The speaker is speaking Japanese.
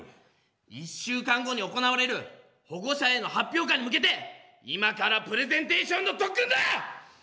１週間後に行われる保護者への発表会に向けて今からプレゼンテーションの特訓だ！